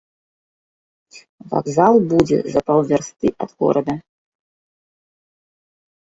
Вакзал будзе за паўвярсты ад горада.